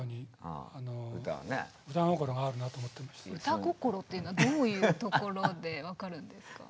歌心っていうのはどういうところで分かるんですか？